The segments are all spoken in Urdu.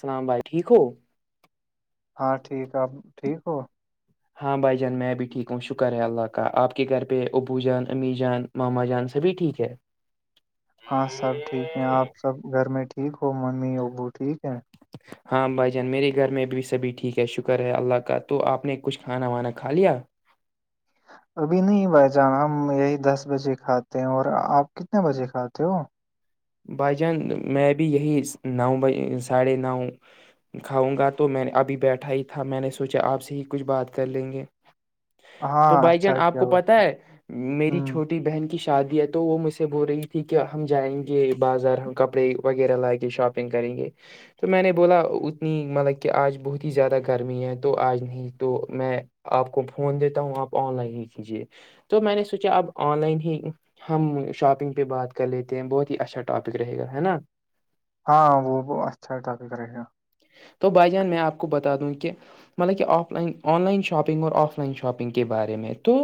سلام بھائی ٹھیک ہو ہاں ٹھیک آپ ٹھیک ہو ہاں بھائی جان میں بھی ٹھیک ہوں شکر ہے اللہ کا آپ کے گھر پہ ابو جان امی جان ماما جان سبھی ٹھیک ہے ہاں سب ٹھیک ہے آپ سب گھر میں ٹھیک ہو ممی ابو ٹھیک ہے ہاں بھائی جان میرے گھر میں بھی سبھی ٹھیک ہے شکر ہے اللہ کا تو آپ نے کچھ کھانا وانا کھا لیا ابھی نہیں بھائی جان ہم یہی دس بجے کھاتے ہیں اور آپ کتنے بجے کھاتے ہو بھائی جان می بی یہی نو بجے ساڈے نو کھاؤں گا تو میں ابھی بیٹھا ہی تھا میں نے سوچا آپ سے ہی کچھ بات کر لیں گے تو ہاں بھائی جان اچھا آپ کیا کو ہوا پتا ہے میری ہ چھوٹی بہن کی شا شادی ہے تو وہ مجھ سے بول رہی تھی کہ ہم جائیں گے یہ بازار ہم کپڑے وغیرہ لائیں گے شاپنگ کریں گے تو میں نے بولا اتنی مطلب کہ آج بہت ہی زیادہ گرمی ہے تو آج نہیں تو میں آپ کو فون دیتا ہوں آپ آن لائن ہی کیجیے تو میں نے سوچا اب آن لائن ہی ہم شاپنگ پہ بات کر لیتے ہیں بہت اچھا ٹاپک رہے گا ہے نا ہاں وہ وہ اچھا ٹاپک رہے گا تو بھائی جان میں آپ کو بتا دوں کہ مطلب کہ offline online shopping اور آف لائن شاپنگ کے بارے میں تو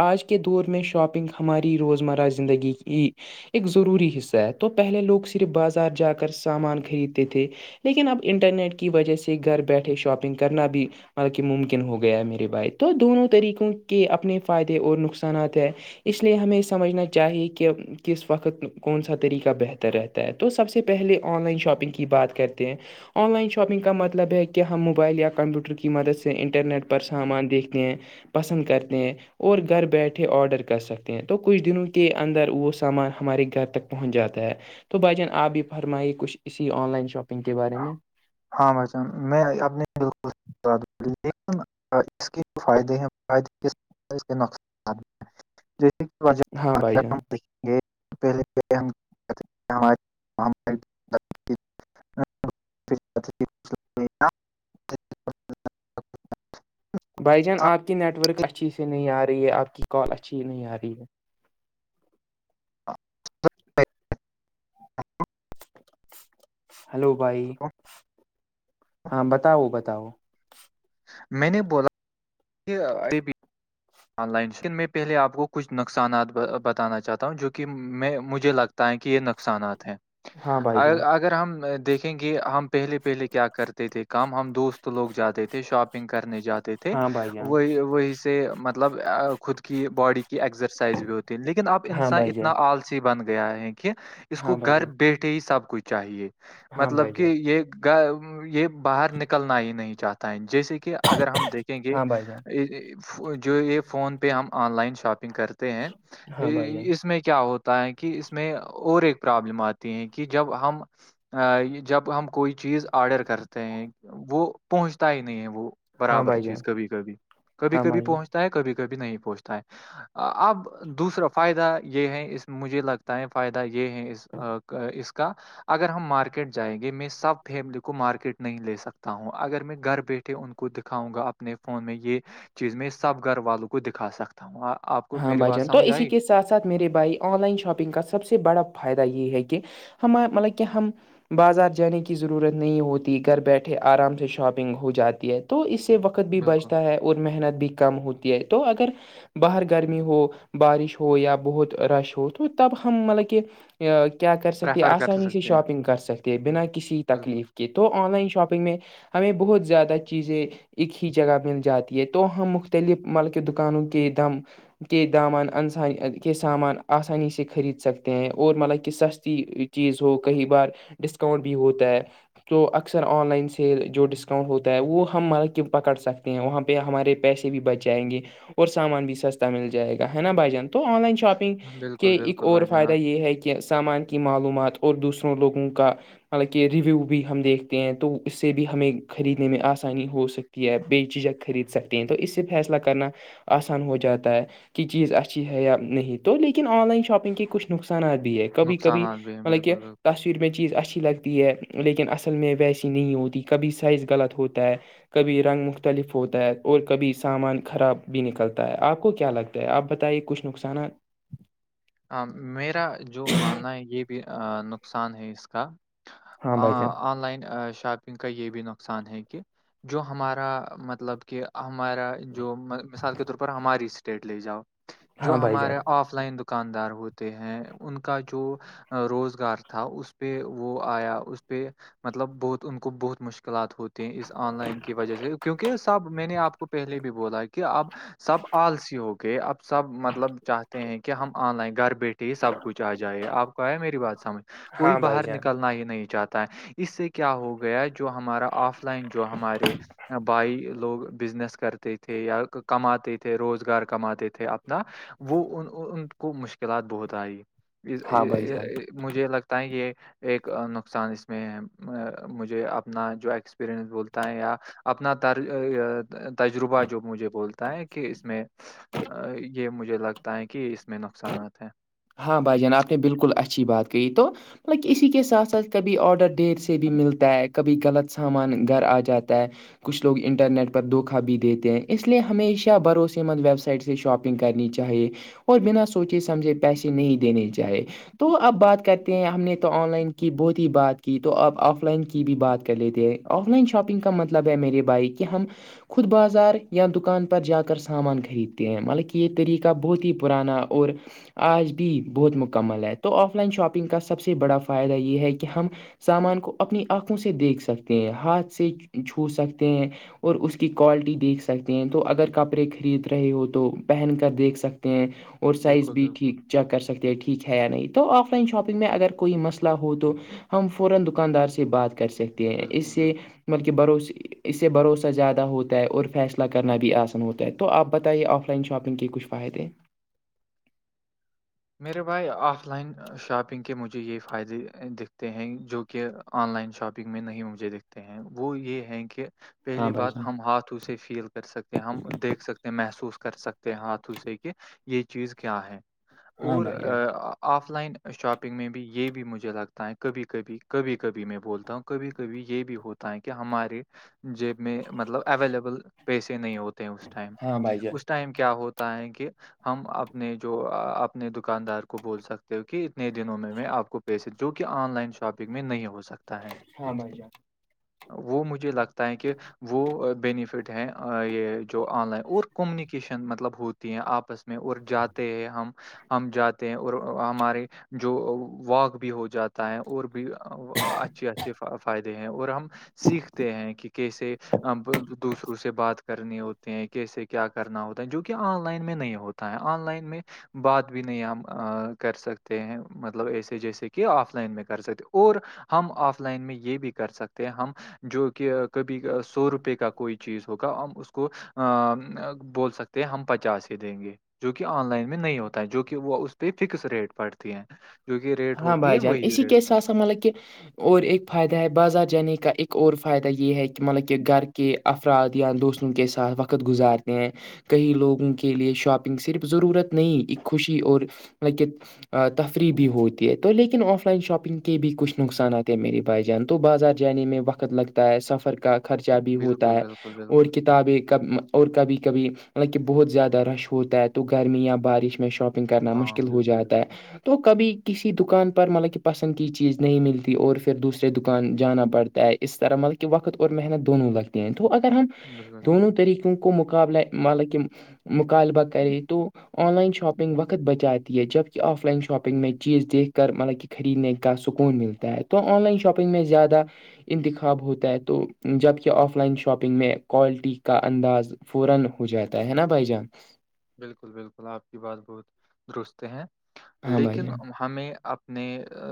آج کے دور میں شاپنگ ہماری روزمرہ زندگی کی ایک ضروری حصہ ہے تو پہلے لوگ صرف بازار جا کر سامان خریدتے تھے لیکن اب انٹرنیٹ کی وجہ سے گھر بیٹھے شاپنگ کرنا بھی مط کہ ممکن ہو گیا ہے میرے بھائی تو دونوں طریقوں کے اپنے فائدے اور نقصانات ہیں اس لیے ہمیں یہ سمجھنا چاہیے کہ کس وقت کون سا طریقہ بہتر رہتا ہے تو سب سے پہلے آن لائن شاپنگ کی بات کرتے ہیں آن لائن شاپنگ کا مطلب ہے کہ ہم موبائل یا کمپیوٹر کی مدد سے انٹرنیٹ پر سامان دیکھتے ہیں پسند کرتے ہیں اور گھر بیٹھے آڈر کر سکتے ہیں تو کچھ دنوں کے اندر وہ سامان ہمارے گھر تک پہنچ جاتا ہے تو بھ جان آپ بھی فرمائیے کچھ اسی آن لائن شاپنگ کے بارے میں ہاں بھائیچان میں اپنے دوست سے بات ہو رہی اس کے جو فائدے ہیں فائدے اس کے نقصان ہاں بھائی جان [inaudible] یہ پہلے گ ہم [inaudible] بھائی جان آپ کی نیٹ ورک اچھی سے نہیں آ رہی ہے آپ کی کال اچھی نہیں آ رہی ہے ہلو بھائی ہاں بتاؤ بتاؤ میں نے بولا آن لائنیکن میں پہلے آپ کو کچھ نقصانات بتانا چاہتا ہوں جو کہ میں مجھے لگتا ت کہ یہ نقصانات ہیں ہاں بھائی جان اگر ہم دیکھیں گے ہم پہلے پہلے کیا کرتے تھے کام ہم دوست لوگ جاتے تھے شاپنگ کرنے جاتے تھے ہاں بھائی جان وہی وہی سے مطلب خود کی باڈی کی ایکسرسائز بھی ہوتی لیکن اب ہاں انسان بھائی جان اتنا آالسی بن گیا ہے کہ اس کو ہاں بھائی گھر جان بیٹھے ہی سب کچھ چاہیے ہاں بھائی مطلب کہ جان یہ یہ باہر نکلنا ہی نہیں چاہتا ہے جیسے کہ اگر ہم دیکھیں گے ہاں بھائی جان جو یہ فون پہ ہم آن لائن شاپنگ کرتے ہیں ہاں بھائی جان اس میں کیا ہوتا کہ اس میں اور ایک پرابلم آتی ہے کہ جب ہم جب ہم کوئی چیز آرڈر کرتے ہیں وہ پہنچتا ہی نہیں ہے وہ ہاں برابر بھائی جان چیز کبھی کبھی کبھی ہاں کبھی بھائی جان پہنچ ہے کبھی کبھی نہیں پہنچتا ہے اب دوسرا فائدہ یہ ہے اس میں مجھے لگتا تیں فائدہ یہ ہے اس اس کا اگر ہم مارکیٹ جائیں گے میں سب فیملی کو مارکیٹ نہیں لے سکتا ہوں اگر میں گھر بیٹھے ان کو دکھاؤں گا اپنے فون میں یہ چیز میں اس سب گھر والوں کو دکھا سکتا ہوں آپ کو ہاں میری بھائی بات جان تو سمجھ اسی آئی کے ساتھ ساتھ میرے بھائی آن لائن شاپنگ کا سب سے بڑا فائدہ یہ ہے کہ ہمار مطلب کہ ہم بازار جانے کی ضرورت نہیں ہوتی گھر بیٹھے آرام سے شاپنگ ہو جاتی ہے تو اس سے وقت بھی بالکل بچتا ہے اور محنت بھی کم ہوتی ہے تو اگر باہر کے گرمی ہو بارش ہو یا بہت رش ہو تو تب ہم مطلب کہ کیا کر سکتے پریفر کر آسانی سے سکتے ہیں شاپنگ کر سکتے ہیں ہوں، بنا کسی بالکل تکلیف کہ تو آن لائن شاپنگ میں ہمیں بہت زیادہ چیزیں ایک ہی جگہ مل جاتی ہے تو ہم مختلف مل کے دکانوں کے دم کے دامن انسان کے سامان آسانی سے خرید سکتے ہیں اور مطلب کہ سستی چیز ہو کئی بار ڈسکاؤنٹ بھی ہوتا ہے تو اکثر آن لائن سیل جو ڈسکاؤنٹ ہوتا ہے وہ ہم مارب کہ پکڑ سکتے ہیں وہ ہم ہمارے پیسے بھی بچ جائیں گے اور سامان بھی سستے مل جائے گا ہے نا بھائی جان تو آن لائن شاپنگ ہم، بالکل کے ایک بالکل اور بھائی فائدہ جناب یہ ہے کہ کے سامان کی معلومات اور دوسروں لوگوں کا مطلب کہ ریویو بھی ہم دیکھتے ہیں تو اس سے بھی ہمیں خریدنے میں آسانی ہو سکتی یا بئی چیزیں خرید سکتے ہیں تو اس سے فیصلہ کرنا آسان ہو جاتا ہے کہ چیز اچھی ہے یا نہیں تو لیکن آن لائن شاپنگ کے کچھ نقصانات بھی ہے کبھی کبھی نقصانات بھی ہیں مطلب کہ بالکل بالکل پر میں چیز اچھی لگتی ہے لیکن اصل میں ویسی نہیں ہوتی کبھی سائز غلط ہوتا ہے کبھی رنگ مختلف ہوتا ہے اور کبھی سامان خراب بھی نکلتا ہے آپ کو کیا لگتا ہےپ بتائیے کچھ نقصانات میرا جو ماننا ہے یہ بھی نقصان ہے اس کا ہاں بھائی جان آن لائن شاپ کا یہ بھی نقصان ہے کہ جو ہمارا مطلب کہ ہمارا جو مثال کے طور پر ہماری اسٹیٹ لے جاؤ جو ہاں بھائی جان ہمارے آف آف لائن دکاندار ہوتے ہیں ان کا جو روزگار تھا اس پہ وہ آیا اس پہ مطلب بہت ان کو بہت مشکلات ہوتی ہیں اس آن لائن کی وجہ سے کیونکہ سب میں نے آپ کو پہلے بھی بولا کہ اب سب آلسی ہو گئے اب سب مطلب چاہتے ہیں کہ ہم آن لائن گھر بھی بیٹے سب کچھ آ جائے آپ کو ہے میری بات سمجھ کوئی ہاں بھائی باہر جان نکلنا ہی نہیں چاہتا ہے یہ اس سے کیا ہو گیا ہے جو ہمارا آف لائن جو ہمارے بھائی لوگ بزنس کرتے تھے یا کماتے تھے روزگار کماتے تھے اپنا وہ ان کو مشکلات بہت آئی ہاں بھائی جان مجھے لگتا ہے یہ ایک نقصان اس میں ہے مجھے اپنا جو ایکسپیرئنس بولتا ہے یا اپنار تجربہ جو مجھے بولتا ہے کہ اس میں یہ مجھے لگتا ہے کہ اس میں نقصانات ہیں ہاں بھائی جان آپ نے بالکل اچھی بات کہی تو مطل اسی کے ساتھ ساتھ کبھی آڈر دیر سے بھی ملتا ہے کبھی غلط سامان گھر آ جاتا ہے کچھ لوگ انٹرنیٹ پر دھوکا بھی دیتے ہیں اس لیے ہمیشہ بھروسے مند ویب سائٹس سے شاپنگ کرنی چاہے اور بنا سوچے سمجھے پیسے نہیں دینے چاہے تو اب بات کرتے ہیں ہم نے تو آن لائن کی بہت ہی بات کی تو آپ آف لائن کی بھی بات کر لیتے ہیں آف لائن شاپنگ کا مطلب ہے میرے بھائی کہ ہم خود بازار یا دکان پر جا کر سامان خریدتے ہیں مطالب کہ یہ طریقہ بہت ہی پرانا اور آج بھی بہت مکمل ہے تو آف لائن شاپنگ کا سب سے بڑا فائدہ یہ ہے کہ ہم سامان کو اپنی آنکھوں سے دیکھ سکتے ہیں ہاتھ سے چھو سکتے ہیں اور اس کی کوالٹی دیکھ سکتے ہیں تو اگر کپڑے خرید رہے ہو تو پہن کر دیکھ سکتے ہیں اور سائز بالکل بھی بالکل ٹھیک چیک کر سکتے ہیں ٹھیک ہے یا نہیں تو آف لائن شاپنگ میں اگر کوئی مسئلہ ہو تو ہم فوران دکاندار سے بات کر سکتے ہیں اس بالکل سے بالکل مطلب بھروس اس سے بھروسہ زیادہ ہوتا ہے اور فیصلہ ل کرنب بھی آسن ہوتا ہے تو آپ بتائیے آف لائن شاپنگ کے کچھ فائدے میرے بھائی آف لائن شاپنگ کے مجھے یہ فائدے دکھتے ہیں جو کہ آن لائن شاپنگ میں نہیں مجھے دیکھتے ہیں وہ یہ ہیں کہ ہاں پہلی بھائی بات جان ہم ہاتھ ہاتھوں سے فیل کر سکتے ہم دیکھ سکتے ہیں محسوس کر سکتے ہیں ہاتھوں سے کہ یہ چیز کیا ہے ہاں اور بھائی جان آف لائن شاپنگ میں بھی یہ بھی مجھے لگتا ہے کبھی کبھی کبھی کبھی میں بولتا ہوں کبھی کبھی یہ بھی ہوتا ہے کہ ہمارے جیب میں مطلب اویلیبل پیسے نہیں ہوتے ہیں اس ٹائم ہاں بھائی جان اس ٹائم کیا ہوتا ہے کہ ہم اپنے جو اپ اپنے دکاندار کو بول سکتے ہو کہ اتنے دنوں میں آپ کو پیسے جو کہ آن لائن شاپنگ میں نہیں ہو سکتا تا ہے ہاں بھ جان وہ مجھے لگتا ہے کہ وہ بینیفٹ ہیں یہ جو آن لائن اور کمیونیکیشن مطلب ہوتی ہیں آپس میں اٹ جاتے ہیں ہم ہم جاتے ہیں اور ہمارے جو واک بھی ہو جاتا ہے اور بھی اچھے اچھے فائدے ہیں اور ہم سیکھتے ہیں کہ کیسے دوسروں سے بات کرنی ہوتے ہیں کیسے کیا کرنا ہوتا ہے جو کہ آن لائن میں نہیں ہوتا ہیں آن لائن میں بعات بھی نہیں ہم کر سکتے ہیں مطلب ایسے جیسے کہ آف لائن میں کر سکتے اور ہم آف لائن میں یہ بھی کر سکتے ہیں ہم جو کہ کبھی سو روپئے کا کوئی چیز ہوگا ہم اس کو بول سکتے ہیں ہم پچاس ہی دیں گے جو کہ آن لائن میں نہیں ہوتا جو کہ وہ اس پہ فکس ریٹ پڑتی ہیں جو کہ ریٹ ہاں ہوتی بھائی ہے جان وہی اسی ریٹ کی ہے سا مطلب کہ اور ایک فائدہ ہے بازار جانے کا ایک اور فائدہ یہ ہے کہ مطلب کہ گھر کے افراد یا دوستوں کے ساتھ وقت گزارتے ہیں کہئی لوگوں کے لیے شاپنگ صرف ضرورت نہیں خوشی اور لک تفریح بھی ہوتی تو لیکن آف لائن شاپنگ کے بھی کچھ نقصانات ہیں میرے بھائی جان تو بازار جانے میں وقت لگتے ہے سفر کا خرچہ بھی ہوتا بالکل ہے بالکل اور بالکل کتاب ایک ب اور کبھی کبھی مطلب کہ بہت زیادہ رش ہوتا ہے تو گرمی یا بارش میں شاپ کرنا ہاں مشکل ہو بالکل جاتا بالکل ہے تو کبھی کسی دکان پر مطلب کہ پسند کی چیز نہیں ملتی اور پھر دوسرے دکان جانا پڑتا ہے اس طرح مطلب کہ وقت اور محنت دونوں لگتے ہیں تو اگر ہم بالکل دونوں طریقوں کو کو مقابللہے مطلب کہم مطالبہ کرے تو آن لائن شاپنگ وقت بچاتی ہے جبک آف لائن شاپنگ میں چیز دیکھ کر مطلب کہ خریدنے کا سکون ملتا ہے تو آن لائن شاپنگ میں زیادہ انتخاب ہوتا ہے تو جبکہ آف لائن شاپنگ میں کوالٹی کا انداز فوران ہو جاتا ہے نا بھائی جان بالکل بالکل آپ کی بات بہت درست ہے ہاں بھائی جان لیکن ہمیں اپنے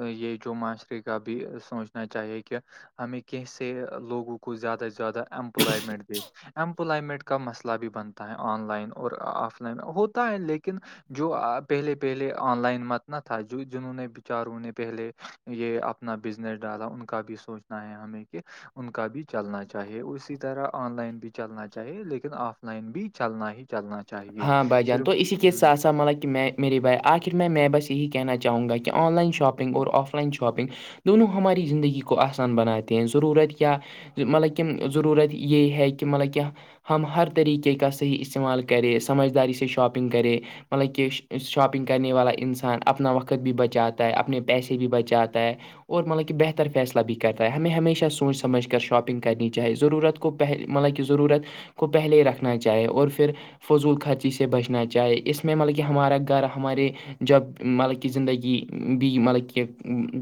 یہ جو معاشرے کا بھی سوچنا چاہیے کہ ہمیں کیس سے لوگوں کو زیادہ سے زیادہ امپلائمنٹ دے امپلائمنٹ کا مسئلہ بھی بنتا ہے آن لائن اور آپ ہوتا ہے لیکن جو پہلے پہلے آن لائن مت نہ تھا جو جنہوں نے بچاروں نے پہلے یہ اپنا بزنس ڈالا ان کا بھی سوچنا ہے ہمیں کہ ان کا بھی چلنا چاہیے اسی طرح آن لائن بھی چلنا چاہیے لیکن آف لائن بھی چلنا ہی چلنا چاہی ہاں بھائی جان تو اسی کے ساتھ سات مطا کہ میں میری بھائی آخر میں بس یہی کہنا چاہوں گا کہ آن لائن شاپنگ اور آف لائن شاپ شاپنگ دونوں ہماری زندگی کو آسان بناتے ہیں ضرورت یا مطلب کہ ضرورت یہ ہے کہ مطلب کہ ہم ہر طریقے کا صحیح استعمال کر کرے سمجھداری سے شاپنگ کرے مطلب کہ شاپنگ کرنے والا انسان اپنا وقت بھی بچاتا ہے اپنے پیسے بھی بچاتا ہے اور مطلب کہ بہتر فیصلہ بھی کرتا ہے ہمیں ہمیشہ سوچ سمجھ کر شاپنگ کرنی چاہے ضرورت کو پہلے مطلب کہ ضرورت کو پہلے ہی رکھنا چاہے اور پھر فضول خرچی سے بچنا چاہے اس میں مطلب کہ ہمارا گھر ہمارے جب مطلب کہ زندگی بھی مطلب کہ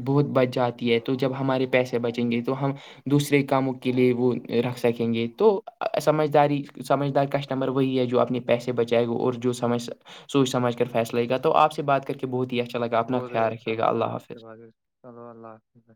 بہت بچ جاتی ہے تو جب ہمارے پیسے بچیں گے تو ہم دوسرے کاموں کے لیے وہ رکھ سکیں گے تو سمجھداری سمجھدار کسٹمر وہی ہے جو آپ پیسے بچائے گا اور جو سمج سوچ سمجھ کر فیصلے گا تو آپ سے بات کر کے بہت ہی اچھا لگا اپنا بہت ہی خیال اچھا رکھیے گا لگا اللہ آپ سے حافظ بات کر کے۔ چلو اللہ حافظ [unintelligible]